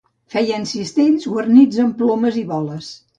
Feien cistells guarnits amb plomes i boles.